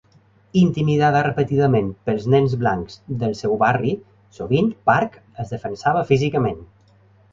Intimidada repetidament pels nens blancs del seu barri, sovint Park es defensava físicament.